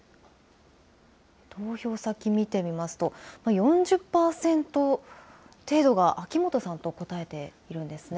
投票先、見てみますと、４０％程度が、秋元さんと答えているんですね。